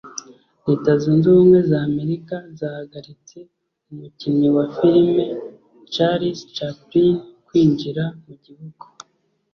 Leta zunze ubumwe za Amerika zahagaritse umukinnyi wa filime Charlie Chaplin kwinjira mu gihugu